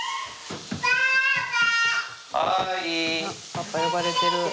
パパ呼ばれてる。